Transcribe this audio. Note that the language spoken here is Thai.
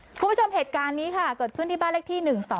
คุณผู้ชมเหตุการณ์นี้ค่ะเกิดขึ้นที่บ้านเลขที่๑๒